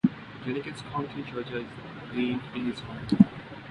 Jenkins County, Georgia is named in his honor.